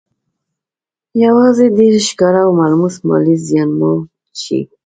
يوازې ډېر ښکاره او ملموس مالي زيان مو چې کړی